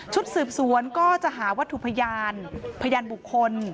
สืบสวนก็จะหาวัตถุพยานพยานบุคคล